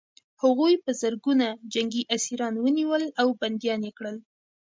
هغوی په زرګونه جنګي اسیران ونیول او بندیان یې کړل